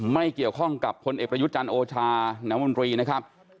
ไม่เกี่ยวข้องกับพลเอกประยุทธ์จันทร์โอชาน้ำมนตรีนะครับ